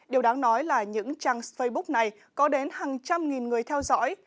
điều đáng nói là những trang facebook này có đến hàng trăm nghìn người theo dõi